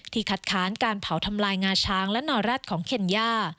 คัดค้านการเผาทำลายงาช้างและนอแร็ดของเคนย่า